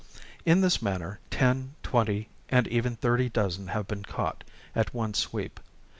In this manner ten, twenty, and even thirty dozen have been caught at one sweep.